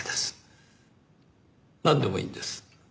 なんでもいいんです。